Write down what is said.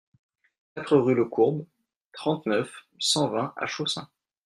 quatre rue Lecourbe, trente-neuf, cent vingt à Chaussin